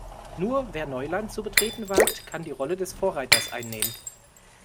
Nur wer Neuland zu betreten wagt, kann die Rolle des Vorreiters einnehmen.